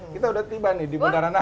kita sudah tiba nih di bundaran ai